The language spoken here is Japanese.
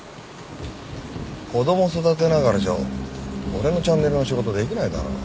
子供育てながらじゃ俺のチャンネルの仕事できないだろ。